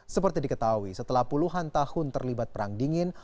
seperti diketahui setelah puluhan tahun terlibat perang dingin